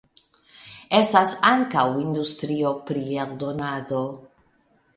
Estas ankaŭ industrio pri eldonado.